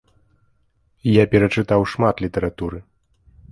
Я перачытаў шмат літаратуры.